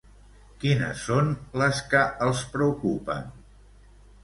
Quines són les que els preocupen?